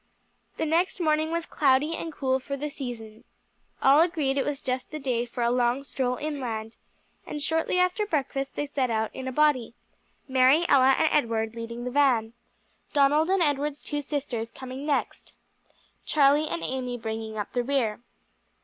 The next morning was cloudy and cool for the season. All agreed it was just the day for a long stroll inland, and shortly after breakfast they set out in a body Mary, Ella and Edward leading the van, Donald and Edward's two sisters coming next, Charlie and Amy bringing up the rear.